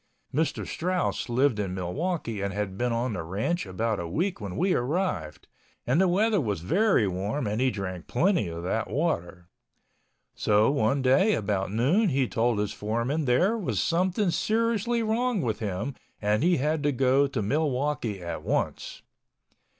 Mr. Strauss lived in Milwaukee and had been on the ranch about a week when we arrived, and the weather was very warm and he drank plenty of that water. So one day about noon he told his foreman there was something seriously wrong with him and he had to go to Milwaukee at once.